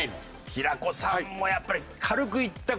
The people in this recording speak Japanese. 平子さんもやっぱり。